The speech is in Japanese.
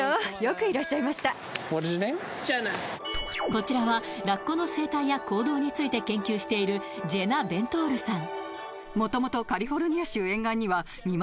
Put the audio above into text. こちらはラッコの生態や行動について研究しているジェナ・ベントールさん